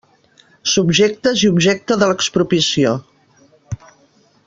Subjectes i objecte de l'expropiació.